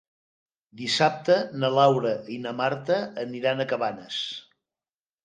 Dissabte na Laura i na Marta aniran a Cabanes.